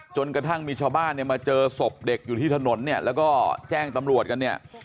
จนกระทั่งมีชาวบ้านเนี่ยมาเจอศพเด็กอยู่ที่ถนนเนี่ยแล้วก็แจ้งตำรวจกันเนี่ย